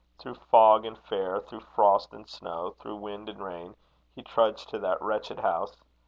Through fog and fair, through frost and snow, through wind and rain, he trudged to that wretched house.